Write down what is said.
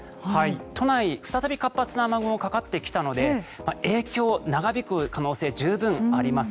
都内、再び活発な雨雲がかかってきたので影響、長引く可能性十分あります。